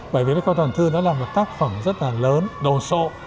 bởi vì bách khoa toàn thư nó là một tác phẩm rất là lớn đồ sộ